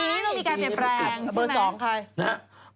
ตอนนี้ต้องมีการเปลี่ยนแรงใช่มั้ยเบอร์๒ใคร